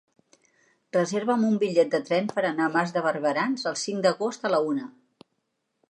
Reserva'm un bitllet de tren per anar a Mas de Barberans el cinc d'agost a la una.